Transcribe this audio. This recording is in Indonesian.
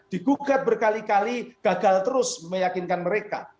digugat berkali kali gagal terus meyakinkan mereka